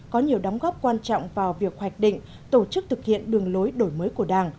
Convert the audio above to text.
có nhiều đóng góp quan trọng vào việc hoạch định tổ chức thực hiện đường lối đổi mới của đảng